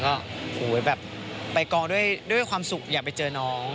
ก็แบบไปกองด้วยความสุขอยากไปเจอน้อง